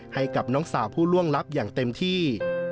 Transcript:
ให้กับน้องสาวผู้ล่วงลับอย่างเต็มที่